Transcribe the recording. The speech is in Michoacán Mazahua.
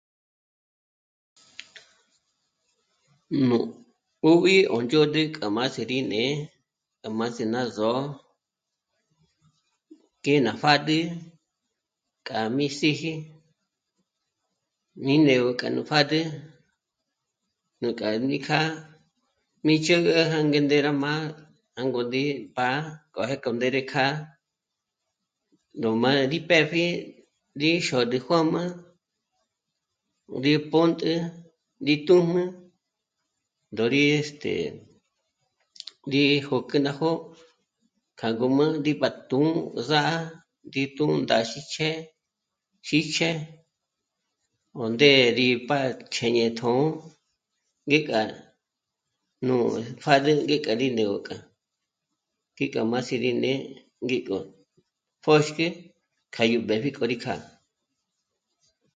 Nú p'úb'i yó ndzhä̌rnä k'o má sí rí né'e, k'o má së̀'ë rá só'o nké ná pjâdül k'a mí síji, rí né'egö k'a nú pjâdül... nújk'a mí kjâ'a mí chä̌gä já ndé rá mâ'a jângo ndí pá'a k'o ja k'o ndére pá'a ró mâ'a rí pë́pji rí xôd'i juā̌jmā ndí pônt'e rí tū̀jmū ndó rí... este rí jôk'ü ná jó'o k'a ngǔm'ü ndí bā́tú'u zàja rí tú'u rá xíjchje, xíjchje o ndé rí chjêñe tjṓ'ō ngéka nú pjâdül ngéka... rí né'egö kja... ngí k'a má síri né'e ngéko pjôxkje kja yó b'épji k'o rí kjâ'a